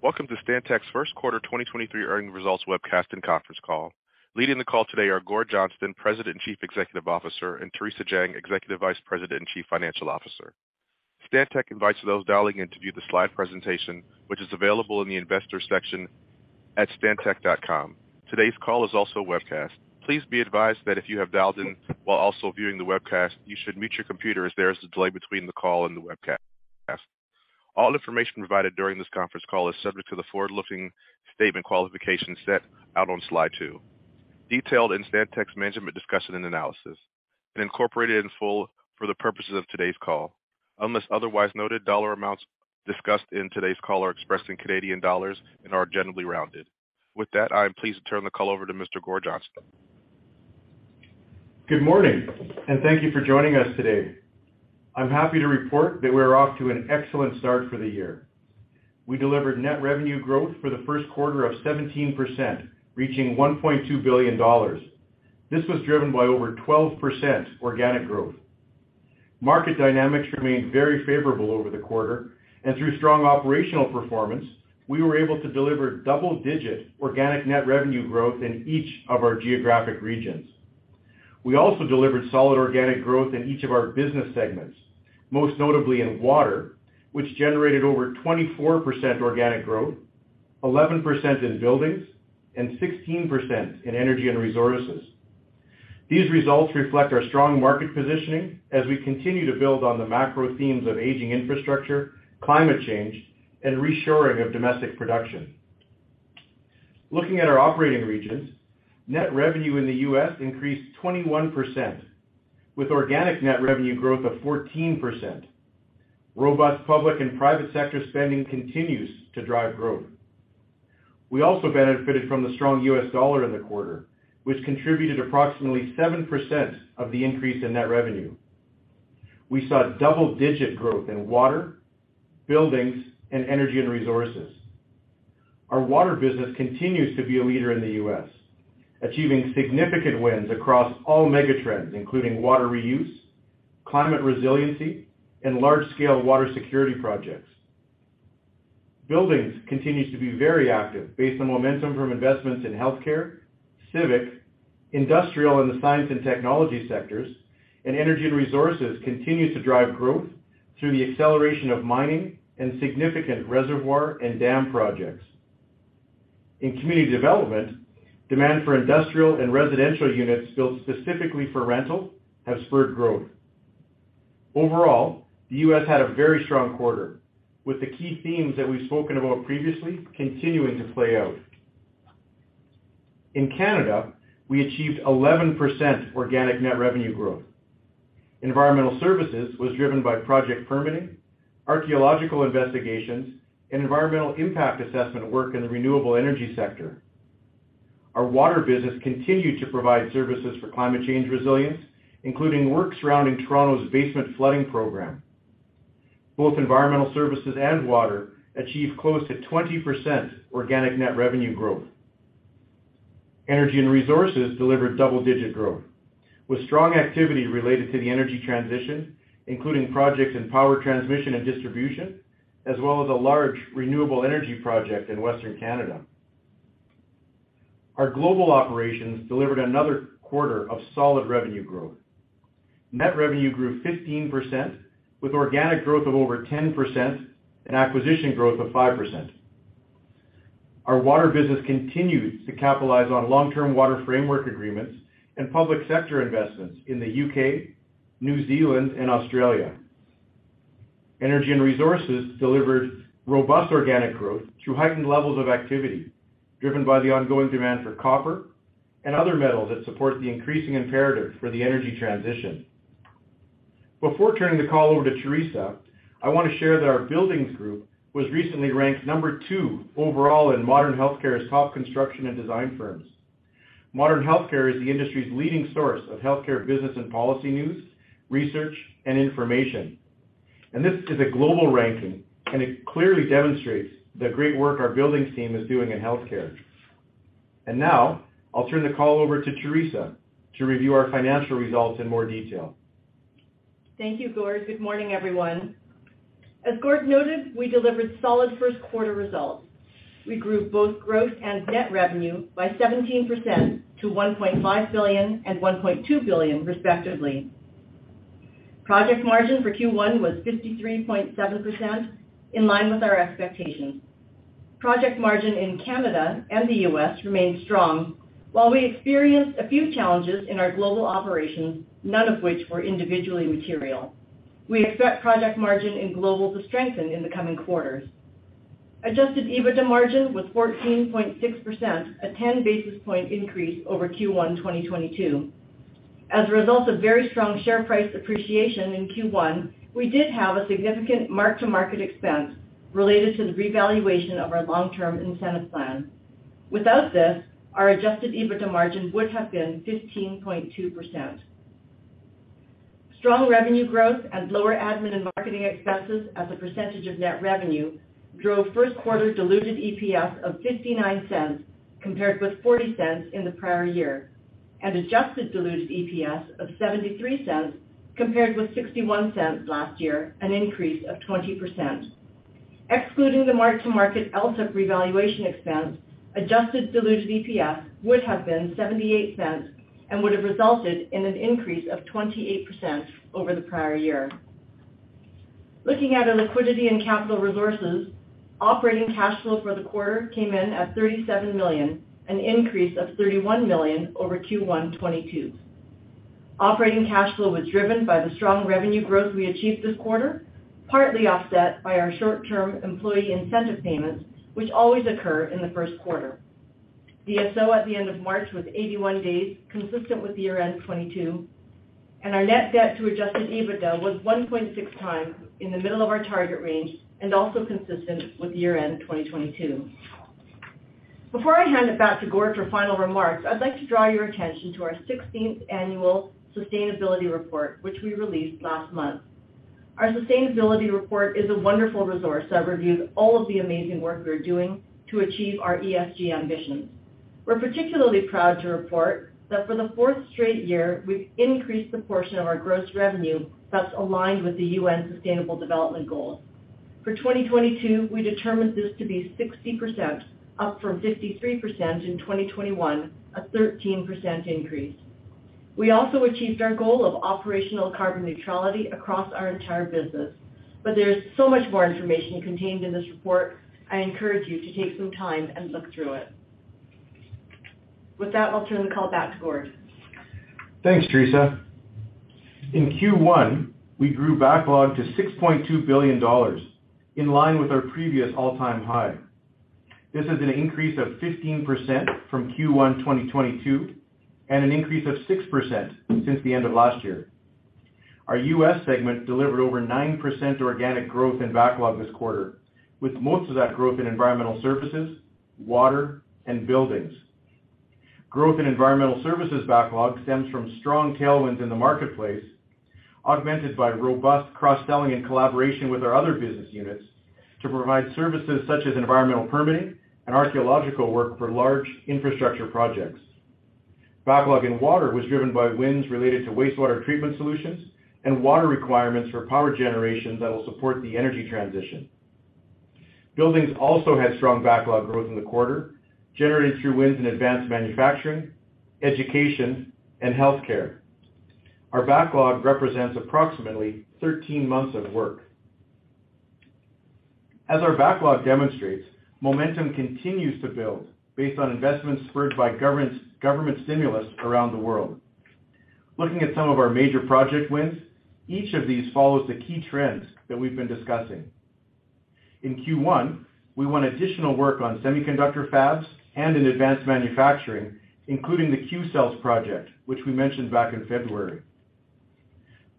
Welcome to Stantec's first quarter 2023 earnings results webcast and conference call. Leading the call today are Gord Johnston, President and Chief Executive Officer, and Theresa Jang, Executive Vice President and Chief Financial Officer. Stantec invites those dialing in to view the slide presentation, which is available in the Investors section at stantec.com. Today's call is also webcast. Please be advised that if you have dialed in while also viewing the webcast, you should mute your computer as there is a delay between the call and the webcast. All information provided during this conference call is subject to the forward-looking statement qualification set out on slide 2, detailed in Stantec's management discussion and analysis, and incorporated in full for the purposes of today's call. Unless otherwise noted, dollar amounts discussed in today's call are expressed in Canadian dollars and are generally rounded. With that, I am pleased to turn the call over to Mr. Gord Johnston. Good morning, and thank you for joining us today. I'm happy to report that we're off to an excellent start for the year. We delivered net revenue growth for the first quarter of 17%, reaching $1.2 billion. This was driven by over 12% organic growth. Market dynamics remained very favorable over the quarter, and through strong operational performance, we were able to deliver double-digit organic net revenue growth in each of our geographic regions. We also delivered solid organic growth in each of our business segments, most notably in water, which generated over 24% organic growth, 11% in buildings, and 16% in energy and resources. These results reflect our strong market positioning as we continue to build on the macro themes of aging infrastructure, climate change, and reshoring of domestic production. Looking at our operating regions, net revenue in the U.S. increased 21%, with organic net revenue growth of 14%. Robust public and private sector spending continues to drive growth. We also benefited from the strong U.S. dollar in the quarter, which contributed approximately 7% of the increase in net revenue. We saw double-digit growth in water, buildings, and energy and resources. Our water business continues to be a leader in the U.S., achieving significant wins across all mega trends, including water reuse, climate resiliency, and large-scale water security projects. Buildings continues to be very active based on momentum from investments in healthcare, civic, industrial, and the science and technology sectors, and energy and resources continue to drive growth through the acceleration of mining and significant reservoir and dam projects. In community development, demand for industrial and residential units built specifically for rental have spurred growth. Overall, the U.S. had a very strong quarter, with the key themes that we've spoken about previously continuing to play out. In Canada, we achieved 11% organic net revenue growth. Environmental services was driven by project permitting, archaeological investigations, and environmental impact assessment work in the renewable energy sector. Our water business continued to provide services for climate change resilience, including work surrounding Toronto's basement flooding program. Both environmental services and water achieved close to 20% organic net revenue growth. Energy and resources delivered double-digit growth, with strong activity related to the energy transition, including projects in power transmission and distribution, as well as a large renewable energy project in Western Canada. Our global operations delivered another quarter of solid revenue growth. Net revenue grew 15%, with organic growth of over 10% and acquisition growth of 5%. Our water business continues to capitalize on long-term water framework agreements and public sector investments in the UK, New Zealand, and Australia. Energy and resources delivered robust organic growth through heightened levels of activity driven by the ongoing demand for copper and other metals that support the increasing imperative for the energy transition. Before turning the call over to Theresa, I want to share that our buildings group was recently ranked number two overall in Modern Healthcare's top construction and design firms. Modern Healthcare is the industry's leading source of healthcare business and policy news, research, and information. This is a global ranking, and it clearly demonstrates the great work our buildings team is doing in healthcare. Now, I'll turn the call over to Theresa to review our financial results in more detail. Thank you, Gord. Good morning, everyone. As Gord noted, we delivered solid first quarter results. We grew both gross and net revenue by 17% to 1.5 billion and 1.2 billion, respectively. Project margin for Q1 was 53.7%, in line with our expectations. Project margin in Canada and the U.S. remained strong. While we experienced a few challenges in our global operations, none of which were individually material, we expect project margin in global to strengthen in the coming quarters. Adjusted EBITDA margin was 14.6%, a 10 basis point increase over Q1 2022. As a result of very strong share price appreciation in Q1, we did have a significant mark-to-market expense related to the revaluation of our long-term incentive plan. Without this, our adjusted EBITDA margin would have been 15.2%. Strong revenue growth and lower admin and marketing expenses as a percentage of net revenue drove first quarter diluted EPS of 0.59 compared with 0.40 in the prior year. Adjusted diluted EPS of 0.73 compared with 0.61 last year, an increase of 20%. Excluding the mark-to-market LTIP revaluation expense, adjusted diluted EPS would have been 0.78 and would have resulted in an increase of 28% over the prior year. Looking at our liquidity and capital resources, operating cash flow for the quarter came in at 37 million, an increase of 31 million over Q1 2022. Operating cash flow was driven by the strong revenue growth we achieved this quarter, partly offset by our short-term employee incentive payments, which always occur in the first quarter. The DSO at the end of March was 81 days, consistent with year-end 2022, and our net debt to adjusted EBITDA was 1.6 times in the middle of our target range and also consistent with year-end 2022. Before I hand it back to Gord for final remarks, I'd like to draw your attention to our 16th annual sustainability report, which we released last month. Our sustainability report is a wonderful resource that reviews all of the amazing work we are doing to achieve our ESG ambitions. We're particularly proud to report that for the fourth straight year, we've increased the portion of our gross revenue that's aligned with the UN Sustainable Development Goals. For 2022, we determined this to be 60%, up from 53% in 2021, a 13% increase. We also achieved our goal of operational carbon neutrality across our entire business. There is so much more information contained in this report. I encourage you to take some time and look through it. With that, I'll turn the call back to Gord. Thanks, Teresa. In Q1, we grew backlog to 6.2 billion dollars, in line with our previous all-time high. This is an increase of 15% from Q1 2022 and an increase of 6% since the end of last year. Our U.S. segment delivered over 9% organic growth in backlog this quarter, with most of that growth in environmental services, water, and buildings. Growth in environmental services backlog stems from strong tailwinds in the marketplace, augmented by robust cross-selling and collaboration with our other business units to provide services such as environmental permitting and archaeological work for large infrastructure projects. Backlog in water was driven by wins related to wastewater treatment solutions and water requirements for power generation that will support the energy transition. Buildings also had strong backlog growth in the quarter, generated through wins in advanced manufacturing, education, and healthcare. Our backlog represents approximately 13 months of work. As our backlog demonstrates, momentum continues to build based on investments spurred by government stimulus around the world. Looking at some of our major project wins, each of these follows the key trends that we've been discussing. In Q1, we won additional work on semiconductor fabs and in advanced manufacturing, including the Qcells project, which we mentioned back in February.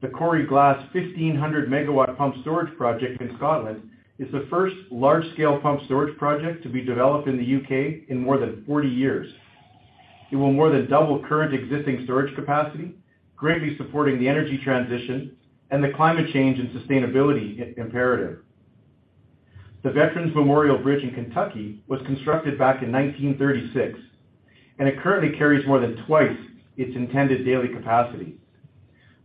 The Coire Glas 1,500 MW pump storage project in Scotland is the first large-scale pump storage project to be developed in the U.K. in more than 40 years. It will more than double current existing storage capacity, greatly supporting the energy transition and the climate change and sustainability imperative. The Veterans Memorial Bridge in Kentucky was constructed back in 1936, and it currently carries more than twice its intended daily capacity.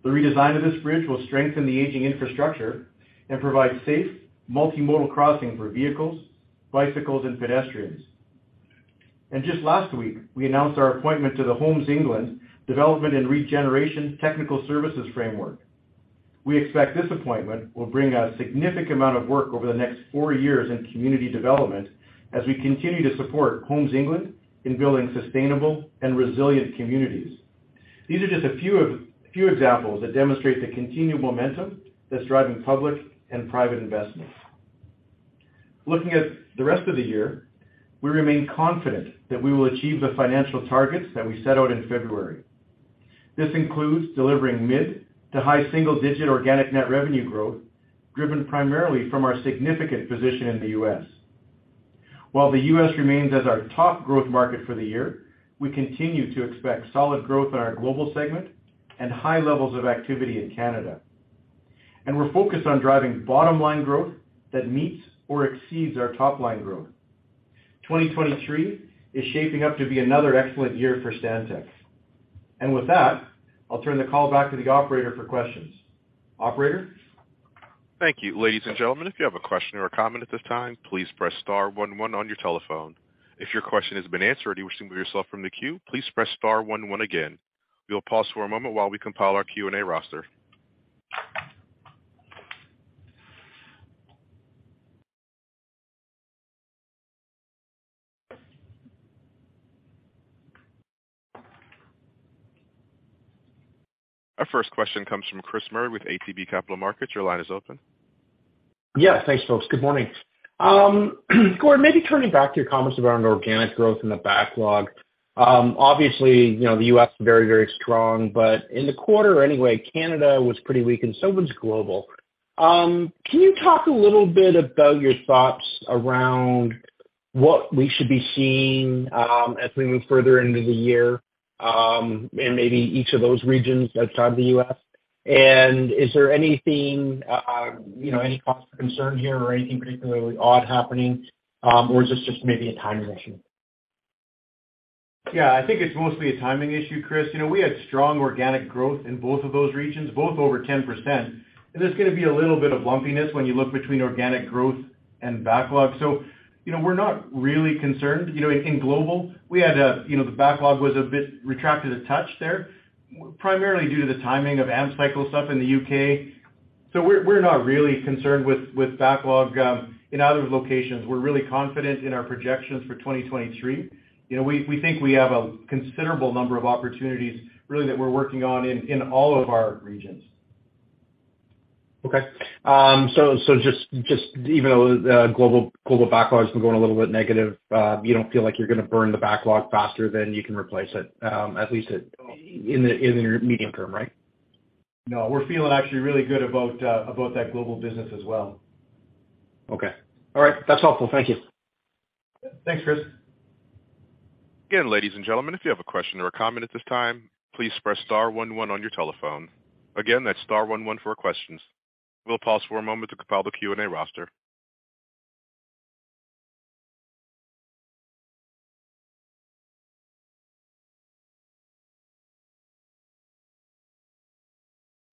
The redesign of this bridge will strengthen the aging infrastructure and provide safe multimodal crossing for vehicles, bicycles, and pedestrians. Just last week, we announced our appointment to the Homes England Development and Regeneration Technical Services framework. We expect this appointment will bring a significant amount of work over the next four years in community development as we continue to support Homes England in building sustainable and resilient communities. These are just a few examples that demonstrate the continued momentum that's driving public and private investment. Looking at the rest of the year, we remain confident that we will achieve the financial targets that we set out in February. This includes delivering mid to high single-digit organic net revenue growth, driven primarily from our significant position in the U.S. While the U.S. remains as our top growth market for the year, we continue to expect solid growth in our global segment and high levels of activity in Canada. We're focused on driving bottom-line growth that meets or exceeds our top-line growth. 2023 is shaping up to be another excellent year for Stantec. With that, I'll turn the call back to the operator for questions. Operator? Thank you. Ladies and gentlemen, if you have a question or a comment at this time, please press star one one on your telephone. If your question has been answered and you're wishing to remove yourself from the queue, please press star one one again. We will pause for a moment while we compile our Q&A roster. Our first question comes from Chris Murray with ATB Capital Markets. Your line is open. Yes. Thanks, folks. Good morning. Gord, maybe turning back to your comments around organic growth in the backlog. Obviously, you know, the U.S. very, very strong, but in the quarter anyway, Canada was pretty weak and so was global. Can you talk a little bit about your thoughts around what we should be seeing, as we move further into the year, in maybe each of those regions outside the U.S.? Is there anything, you know, any cause for concern here or anything particularly odd happening, or is this just maybe a timing issue? Yeah, I think it's mostly a timing issue, Chris. You know, we had strong organic growth in both of those regions, both over 10%. There's gonna be a little bit of lumpiness when you look between organic growth and backlog. You know, we're not really concerned. You know, in global, we had, you know, the backlog was a bit retracted a touch there, primarily due to the timing of AMP cycle stuff in the U.K. We are not really concerned with backlog in other locations. We're really confident in our projections for 2023. You know, we think we have a considerable number of opportunities really that we're working on in all of our regions. Okay. Even though the global backlog's been going a little bit negative, you don't feel like you're gonna burn the backlog faster than you can replace it, at least in the medium term, right? We're feeling actually really good about that global business as well. Okay. All right. That's helpful. Thank you. Thanks, Chris. Again, ladies and gentlemen, if you have a question or a comment at this time, please press star one one on your telephone. Again, that's star one one for questions. We'll pause for a moment to compile the Q&A roster.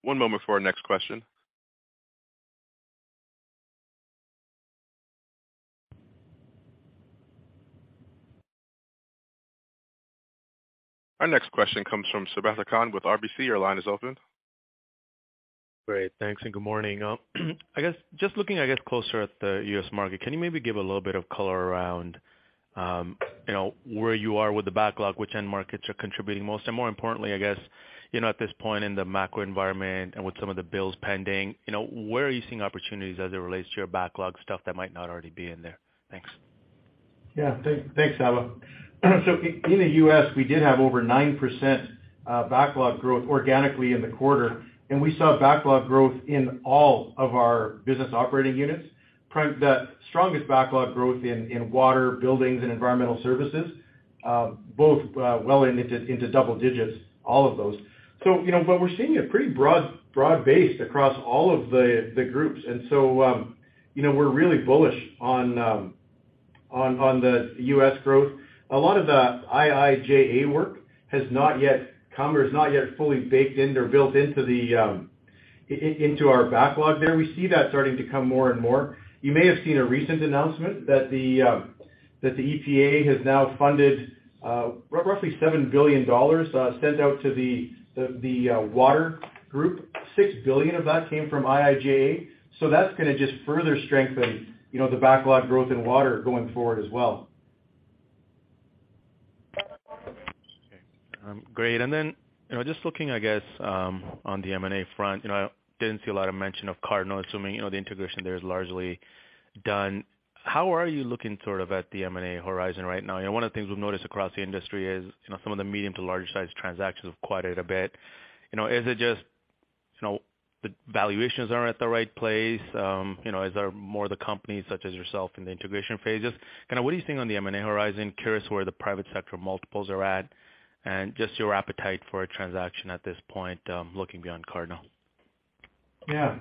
One moment for our next question. Our next question comes from Sabahat Khan with RBC. Your line is open. Great. Thanks, and good morning. I guess just looking closer at the U.S. market, can you maybe give a little bit of color around, you know, where you are with the backlog, which end markets are contributing most? More importantly, I guess, you know, at this point in the macro environment and with some of the bills pending, you know, where are you seeing opportunities as it relates to your backlog stuff that might not already be in there? Thanks. Yeah. Thanks, Saba. In the U.S., we did have over 9% backlog growth organically in the quarter, and we saw backlog growth in all of our business operating units. The strongest backlog growth in water, buildings, and environmental services, both well into double digits, all of those. You know, but we're seeing a pretty broad base across all of the groups. You know, we're really bullish on the U.S. growth. A lot of the IIJA work has not yet come or is not yet fully baked in or built into our backlog there. We see that starting to come more and more. You may have seen a recent announcement that the EPA has now funded roughly $7 billion sent out to the water group. $6 billion of that came from IIJA. That's gonna just further strengthen, you know, the backlog growth in water going forward as well. Okay. Great. You know, just looking, I guess, on the M&A front, you know, I didn't see a lot of mention of Cardno, assuming, you know, the integration there is largely done. How are you looking sort of at the M&A horizon right now? You know, one of the things we've noticed across the industry is, you know, some of the medium to larger sized transactions have quieted a bit. You know, is it just, you know, the valuations aren't at the right place? You know, is there more the companies such as yourself in the integration phases? Kind what are you seeing on the M&A horizon? Curious where the private sector multiples are at and just your appetite for a transaction at this point, looking beyond Cardno. Yeah,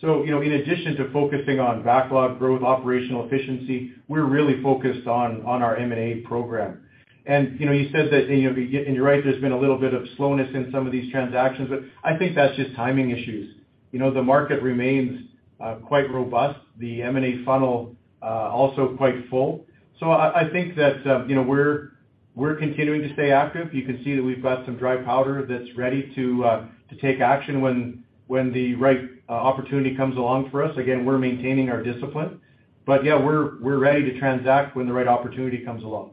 you know, in addition to focusing on backlog growth, operational efficiency, we're really focused on our M&A program. You know, you said that, you know, and you're right, there's been a little bit of slowness in some of these transactions, I think that's just timing issues. You know, the market remains quite robust, the M&A funnel also quite full. So I think that, you know, we're continuing to stay active. You can see that we've got some dry powder that's ready to take action when the right opportunity comes along for us. Again, we're maintaining our discipline. Yeah, we're ready to transact when the right opportunity comes along.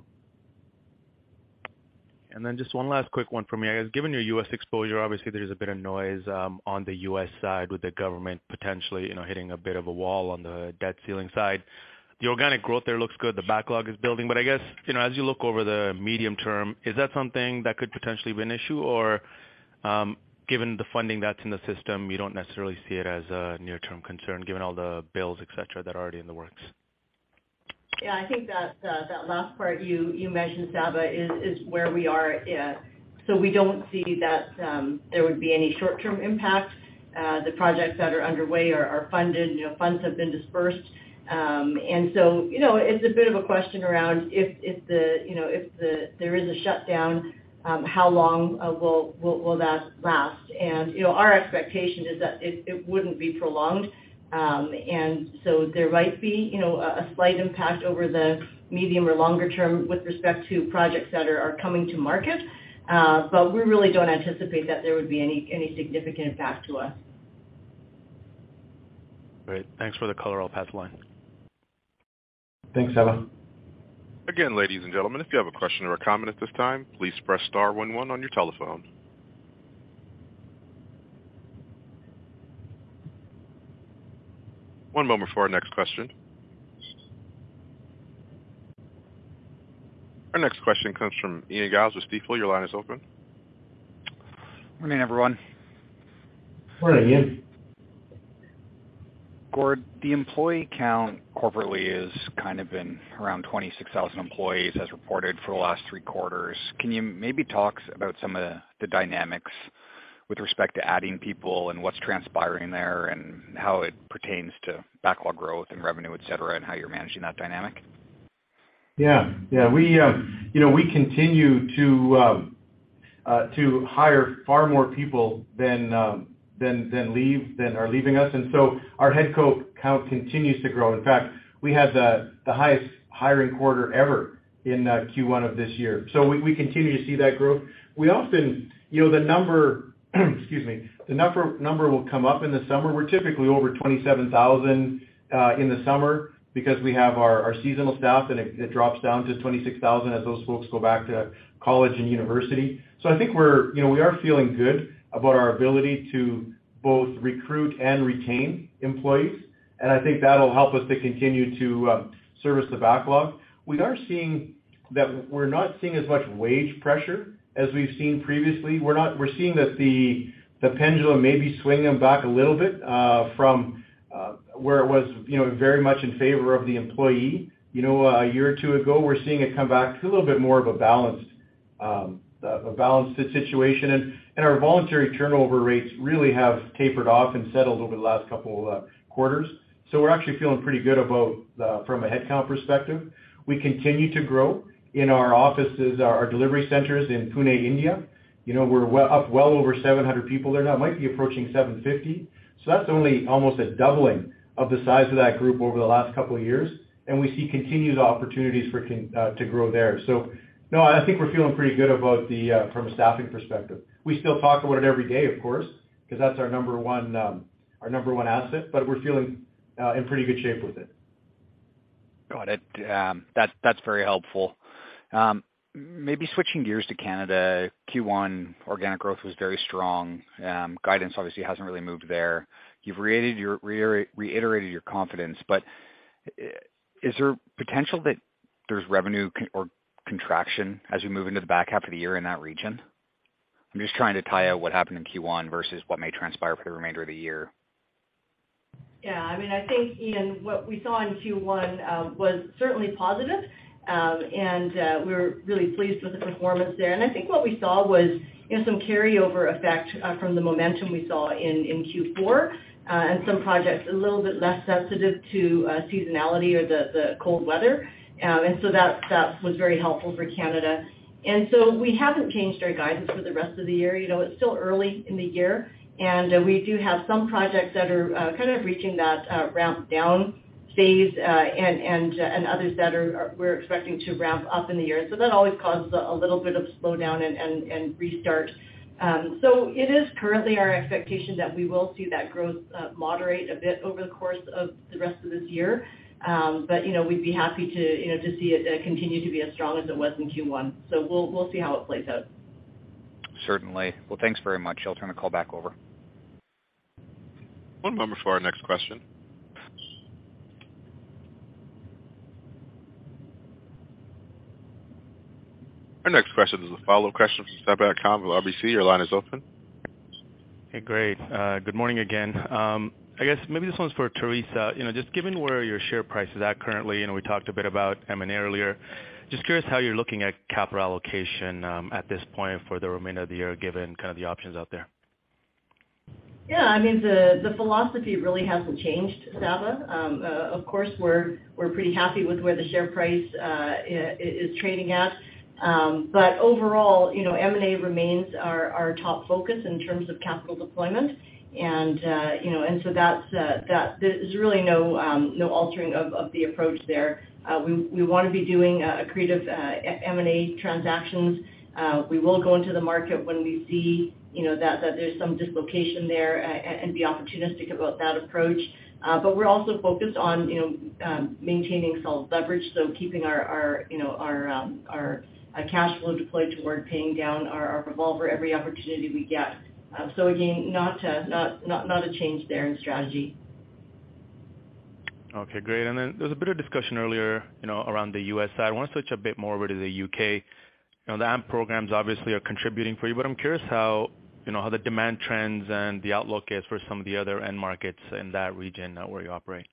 Just one last quick one from me. I guess, given your U.S. exposure, obviously there's a bit of noise on the U.S. side with the government potentially, you know, hitting a bit of a wall on the debt ceiling side. The organic growth there looks good, the backlog is building, but I guess, you know, as you look over the medium term, is that something that could potentially be an issue? Given the funding that's in the system, you don't necessarily see it as a near-term concern given all the bills, et cetera, that are already in the works. Yeah. I think that last part you mentioned, Saba, is where we are at. We don't see that there would be any short-term impact. The projects that are underway are funded. You know, funds have been dispersed. It's a bit of a question around if there is a shutdown, how long will that last? You know, our expectation is that it wouldn't be prolonged. There might be, you know, a slight impact over the medium or longer term with respect to projects that are coming to market, but we really don't anticipate that there would be any significant impact to us. Great. Thanks for the color. I'll pass the line. Thanks, Saba. Again, ladies and gentlemen, if you have a question or a comment at this time, please press star one one on your telephone. One moment for our next question. Our next question comes from Ian Gillies with Stifel. Your line is open. Morning, everyone. Morning, Ian. Gord, the employee count corporately is kind of been around 26,000 employees as reported for the last three quarters. Can you maybe talk about some of the dynamics with respect to adding people and what's transpiring there and how it pertains to backlog growth and revenue, et cetera, and how you're managing that dynamic? Yeah. Yeah. We, you know, we continue to hire far more people then are leaving us. Our head count continues to grow. In fact, we had the highest hiring quarter ever in Q1 of this year. We continue to see that growth. We often. You know, the number, excuse me, the number will come up in the summer. We're typically over 27,000 in the summer because we have our seasonal staff, and it drops down to 26,000 as those folks go back to college and university. I think we're, you know, we are feeling good about our ability to both recruit and retain employees, and I think that'll help us to continue to service the backlog. We are seeing that we're not seeing as much wage pressure as we've seen previously. We're seeing that the pendulum may be swinging back a little bit, from where it was, you know, very much in favor of the employee, you know, a year or 2 ago. We're seeing it come back to a little bit more of a balanced, a balanced situation. Our voluntary turnover rates really have tapered off and settled over the last couple quarters. So we are actually feeling pretty good about from a headcount perspective. We continue to grow in our offices, our delivery centers in Pune, India. You know, we're up well over 700 people there now, might be approaching 750. That's only almost a doubling of the size of that group over the last couple of years, and we see continued opportunities for it to grow there. No, I think we're feeling pretty good about the from a staffing perspective. We still talk about it every day, of course, because that's our number one, our number one asset, but we're feeling in pretty good shape with it. Got it. That's very helpful. Maybe switching gears to Canada, Q1 organic growth was very strong. Guidance obviously hasn't really moved there. You've reiterated your confidence. Is there potential that there's revenue or contraction as we move into the back half of the year in that region? I'm just trying to tie out what happened in Q1 versus what may transpire for the remainder of the year. Yeah. I mean, I think, Ian, what we saw in Q1, was certainly positive. We're really pleased with the performance there. I think what we saw was, you know, some carryover effect from the momentum we saw in Q4, and some projects a little bit less sensitive to seasonality or the cold weather. That was very helpful for Canada. We haven't changed our guidance for the rest of the year. You know, it's still early in the year, and we do have some projects that are kind of reaching that ramp down phase, and others that are we're expecting to ramp up in the year. That always causes a little bit of slowdown and restart. It is currently our expectation that we will see that growth moderate a bit over the course of the rest of this year. You know, we'd be happy to, you know, to see it continue to be as strong as it was in Q1. We'll see how it plays out. Certainly. Thanks very much. I'll turn the call back over. One moment for our next question. Our next question is a follow-up question from Sabahat Khan with RBC. Your line is open. Hey, great. Good morning again. I guess maybe this one's for Teresa. You know, just given where your share price is at currently, and we talked a bit about M&A earlier, just curious how you're looking at capital allocation at this point for the remainder of the year, given kind of the options out there. Yeah. I mean, the philosophy really hasn't changed, Saba. Of course, we're pretty happy with where the share price is trading at. But overall, you know, M&A remains our top focus in terms of capital deployment. There's really no altering of the approach there. We wanna be doing creative M&A transactions. We will go into the market when we see, you know, that there's some dislocation there, and be opportunistic about that approach. But we're also focused on, you know, maintaining solid leverage, so keeping our, you know, our cash flow deployed toward paying down our revolver every opportunity we get. So again, not a change there in strategy. Okay, great. There was a bit of discussion earlier, you know, around the U.S. side. I want to switch a bit more over to the U.K. You know, the AMP programs obviously are contributing for you, but I'm curious how, you know, how the demand trends and the outlook is for some of the other end markets in that region where you operate.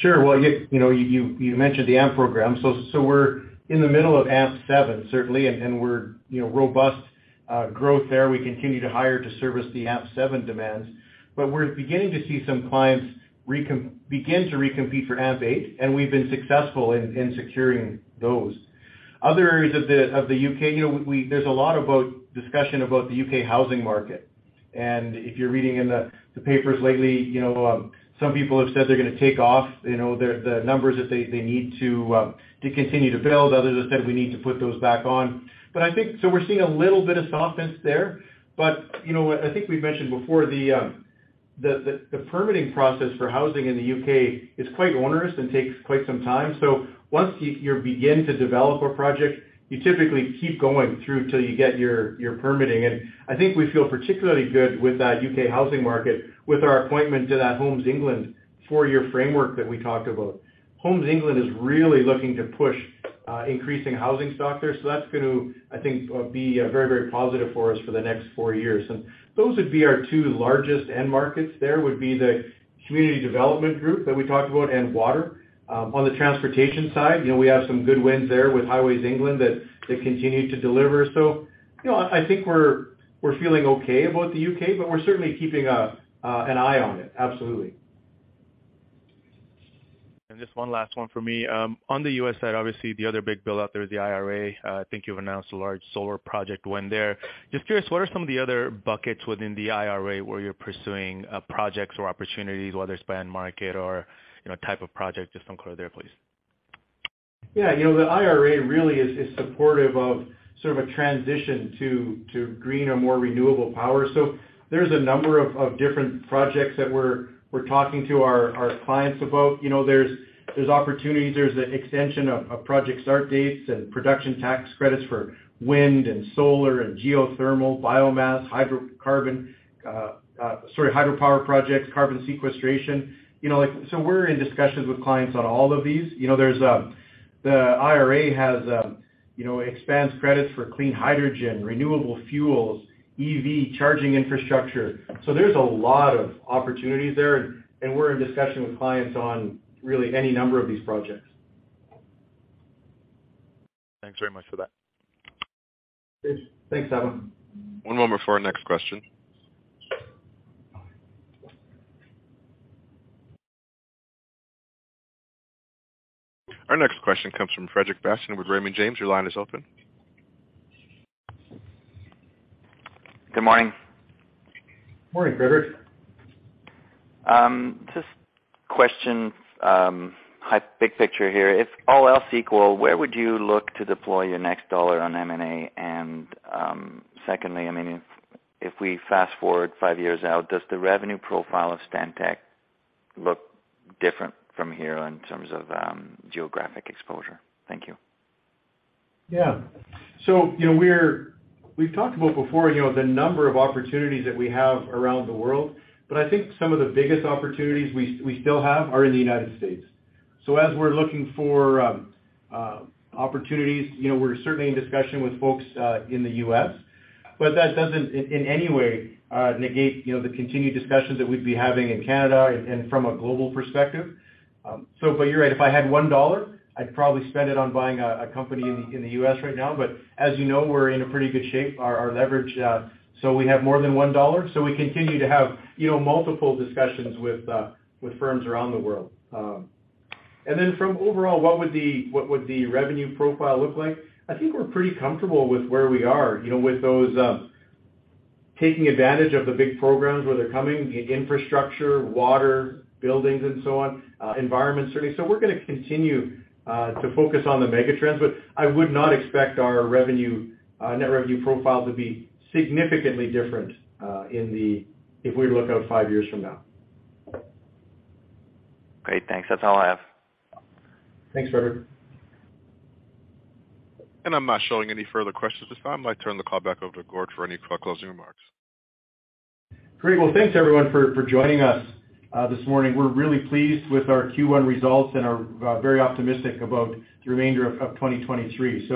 Sure. Well, you know, you mentioned the AMP program. We're in the middle of AMP7, certainly, and we are, you know, robust growth there. We continue to hire to service the AMP7 demands. We're beginning to see some clients begin to recompete for AMP8, and we've been successful in securing those. Other areas of the U.K., you know, we, there's a lot of discussion about the U.K. housing market. If you're reading in the papers lately, you know, some people have said they're gonna take off, you know, the numbers if they need to continue to build. Others have said we need to put those back on. I think so we're seeing a little bit of softness there. You know, I think we've mentioned before the permitting process for housing in the UK is quite onerous and takes quite some time. Once you begin to develop a project, you typically keep going through till you get your permitting. I think we feel particularly good with that UK housing market with our appointment to that Homes England-four-year framework that we talked about. Homes England is really looking to push increasing housing stock there. That's going to, I think, be very positive for us for the next four years. Those would be our two largest end markets there, would be the community development group that we talked about and water. On the transportation side, you know, we have some good wins there with Highways England that continue to deliver. you know, I think we're feeling okay about the U.K., but we're certainly keeping an eye on it. Absolutely. Just one last one for me. On the U.S. side, obviously, the other big build out there is the IRA. I think you've announced a large solar project win there. Just curious, what are some of the other buckets within the IRA where you're pursuing projects or opportunities, whether it's by end market or, you know, type of project? Just some color there, please. The IRA really is supportive of sort of a transition to greener, more renewable power. There's a number of different projects that we're talking to our clients about. There's opportunities, there is the extension of project start dates and production tax credits for wind and solar and geothermal, biomass, hydrocarbon, sorry, hydropower projects, carbon sequestration. Like, we're in discussions with clients on all of these. There's the IRA has, you know, expands credits for clean hydrogen, renewable fuels, EV charging infrastructure. There is a lot of opportunities there, and we're in discussion with clients on really any number of these projects. Thanks very much for that. Thanks. Thanks, Sabahat. One moment for our next question. Our next question comes from Frederic Bastien with Raymond James. Your line is open. Good morning. Morning, Frederic. Just questions, big picture here. If all else equal, where would you look to deploy your next dollar on M&A? Secondly, I mean, if we fast-forward five years out, does the revenue profile of Stantec look different from here in terms of geographic exposure? Thank you. Yeah. You know, we've talked about before, you know, the number of opportunities that we have around the world, but I think some of the biggest opportunities we still have are in the United States. As we are looking for opportunities, you know, we're certainly in discussion with folks in the US. That doesn't in any way negate, you know, the continued discussions that we'd be having in Canada and from a global perspective. So for you, If I had 1 dollar, I'd probably spend it on buying a company in the US right now. As you know, we're in a pretty good shape, our leverage, we have more than 1 dollar. We continue to have, you know, multiple discussions with firms around the world. Then from overall, what would the revenue profile look like? I think we're pretty comfortable with where we are, you know, with those, taking advantage of the big programs where they're coming, infrastructure, water, buildings and so on, environment, certainly. We are gonna continue to focus on the mega trends, but I would not expect our revenue, net revenue profile to be significantly different, in the if we look out five years from now. Great. Thanks. That's all I have. Thanks, Frederic. I'm not showing any further questions as I'd like to turn the call back over to Gord for any closing remarks. Great. Well, thanks everyone for joining us this morning. We're really pleased with our Q1 results and are very optimistic about the remainder of 2023.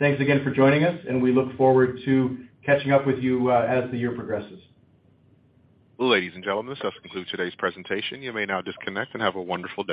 Thanks again for joining us, and we look forward to catching up with you as the year progresses. Ladies and gentlemen, this does conclude today's presentation. You may now disconnect and have a wonderful day.